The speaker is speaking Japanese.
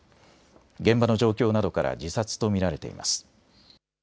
現場の状況などから自殺と見られています。